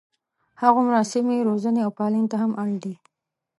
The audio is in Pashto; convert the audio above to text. هغومره سمې روزنې او پالنې ته هم اړ دي.